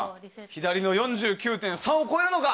左の４９．３を超えるのか。